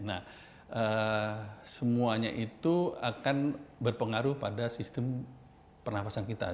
nah semuanya itu akan berpengaruh pada sistem pernafasan kita